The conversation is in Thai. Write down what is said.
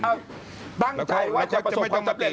ตั้งใจว่าจะประสบความสำเร็จหรือจะเจ๊งอีก